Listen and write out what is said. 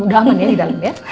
udah aman ya di dalam ya